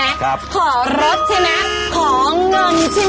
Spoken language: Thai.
แล้วก็ของานใช่ไหม